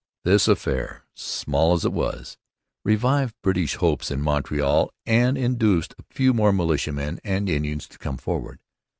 This affair, small as it was, revived British hopes in Montreal and induced a few more militiamen and Indians to come forward.